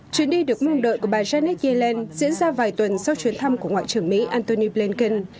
chuyến đi được mong đợi của bà jenny yellen diễn ra vài tuần sau chuyến thăm của ngoại trưởng mỹ antony blinken